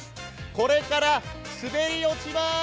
これから滑り落ちます！